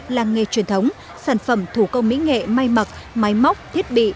làng nghề truyền thống sản phẩm thủ công mỹ nghệ may mặc máy móc thiết bị